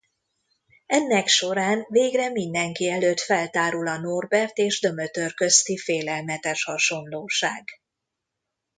Ennek során végre mindenki előtt feltárul a Norbert és Dömötör közti félelmetes hasonlóság.